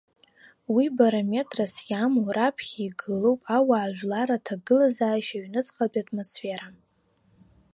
Уи барометрс иамоу раԥхьа игылоуп ауаажәларра аҭагылазаашьа, аҩныҵҟатәи атмосфера.